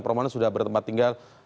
promosional sudah bertempat tinggal